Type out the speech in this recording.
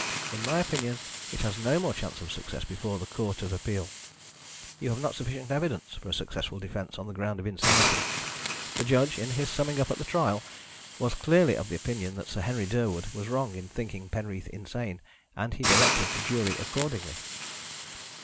In my opinion it has no more chance of success before the Court of Appeal. You have not sufficient evidence for a successful defence on the grounds of insanity. The judge, in his summing up at the trial, was clearly of the opinion that Sir Henry Durwood was wrong in thinking Penreath insane, and he directed the jury accordingly.